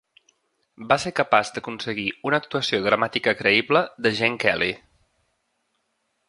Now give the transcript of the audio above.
Va ser capaç d'aconseguir una actuació dramàtica creïble de Gene Kelly.